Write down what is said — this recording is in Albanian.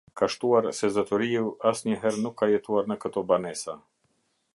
Ka shtuar se zotëriu asnjëherë nuk ka jetuar në këto banesa.